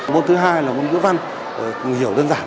môn thứ hai là môn ngữ văn hiểu dân giản